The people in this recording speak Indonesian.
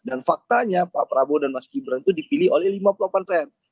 dan faktanya pak prabowo dan mas gibran itu dipilih oleh lima puluh delapan peran